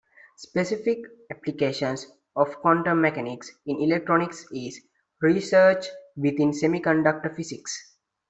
Specific applications of quantum mechanics in electronics is researched within semiconductor physics.